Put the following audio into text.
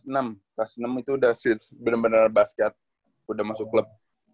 enam kelas enam itu udah bener bener basket udah masuk klub